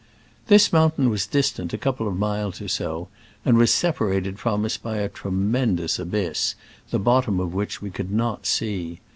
This mountain was distant a couple of miles or so, and was separated from us by a tremendous abyss, the bottom of which we could not see.